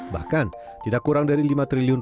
bahkan tidak kurang dari rp lima triliun